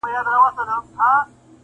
نمک خور دي له عمرونو د دبار یم٫